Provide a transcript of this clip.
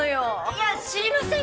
いや知りません